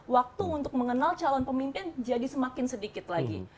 waktu untuk mengenal calon pemimpin jadi semakin sedikit lagi